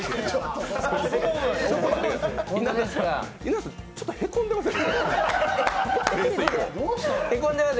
稲田さん、ちょっとへこんでますよね？